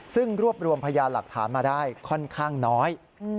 ซึ่งรวบรวมพยานหลักฐานมาได้ค่อนข้างน้อย